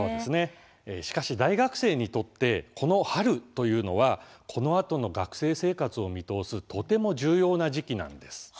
しかし、大学生にとってこの春というのはこのあとの学生生活を見通すとても重要な時期なんです。